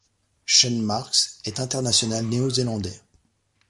Sean Marks est international néo-zélandais.